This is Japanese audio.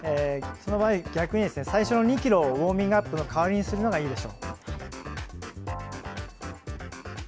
その場合、逆に最初の２ｋｍをウォーミングアップの代わりにするのがいいでしょう。